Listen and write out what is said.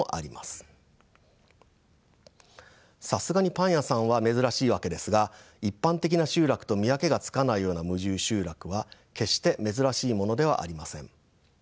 さすがにパン屋さんは珍しいわけですが一般的な集落と見分けがつかないような無住集落は決して珍しいものではありません。